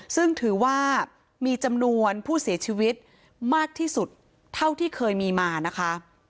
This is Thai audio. ซึ่งถือว่ามีจำนวนผู้เสียชีวิตมากที่สุดเท่าที่เคยมีมานะคะ